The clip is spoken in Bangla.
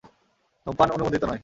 ধূমপান অনুমোদিত নয়।